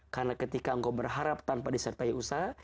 karena ketika engkau berharap tanpa disertai usaha